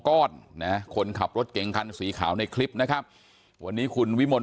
ก้อนนะคนขับรถเก่งคันสีขาวในคลิปนะครับวันนี้คุณวิมล